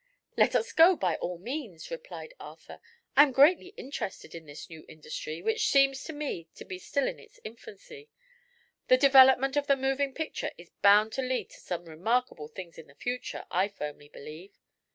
"Let us go, by all means," replied Arthur. "I am greatly interested in this new industry, which seems to me to be still in its infancy. The development of the moving picture is bound to lead to some remarkable things in the future, I firmly believe."